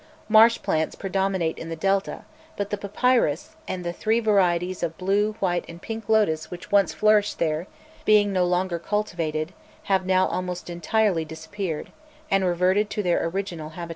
Marsh plants predominate in the Delta; but the papyrus, and the three varieties of blue, white, and pink lotus which once flourished there, being no longer cultivated, have now almost entirely disappeared, and reverted to their original habitats.